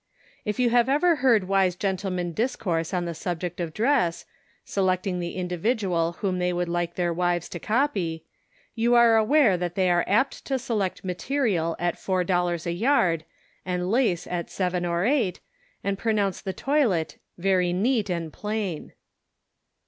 If you have ever heard wise gentlemen discourse on the subject of dress, selecting the individual whom they would like their wives to copy, you are aware that they are apt to select material at four dollars a yard, and lace at seven or eight, and pronounce the toilet " very neat and plain."